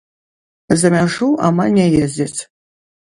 За мяжу амаль не ездзяць.